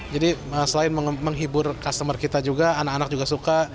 jadi selain menghibur customer kita juga anak anak juga suka